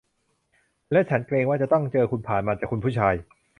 ฉันเกรงว่าฉันจะต้องเจอคุณผ่านมา คุณผู้ชาย